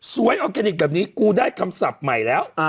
ออร์แกนิคแบบนี้กูได้คำศัพท์ใหม่แล้ว